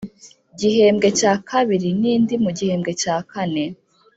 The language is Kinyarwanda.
Gihembwe cya kabiri n indi mu gihembwe cya kane